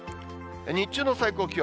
日中の最高気温。